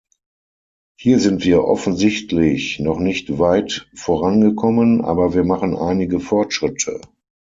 Hier sind wir offensichtlich noch nicht weit vorangekommen, aber wir machen einige Fortschritte.